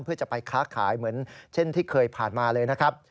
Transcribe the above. เพื่อจะไปค้าขายเหมือนเช่นที่เคยผ่านมาเลยนะครับ